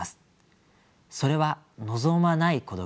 それは「望まない孤独」です。